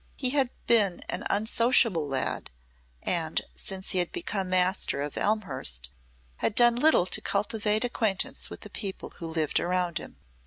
He had been an unsociable lad, and since he had become master of Elmhurst had done little to cultivate acquaintance with the people who lived around him.